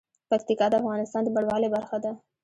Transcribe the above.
پکتیکا د افغانستان د بڼوالۍ برخه ده.